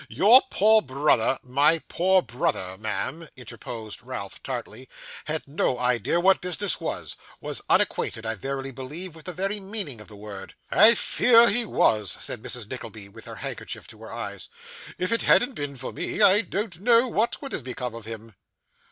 'Your poor brother ' 'My poor brother, ma'am,' interposed Ralph tartly, 'had no idea what business was was unacquainted, I verily believe, with the very meaning of the word.' 'I fear he was,' said Mrs. Nickleby, with her handkerchief to her eyes. 'If it hadn't been for me, I don't know what would have become of him.